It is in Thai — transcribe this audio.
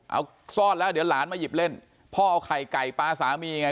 เอาซ่อนแล้วเดี๋ยวหลานมาหยิบเล่นพ่อเอาไข่ไก่ปลาสามีไง